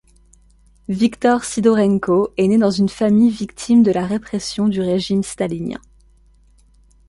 Victor Sydorenko est né dans une famille victime de la répression du régime stalinien.